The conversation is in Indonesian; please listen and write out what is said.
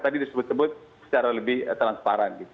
tadi disebut sebut secara lebih telan separan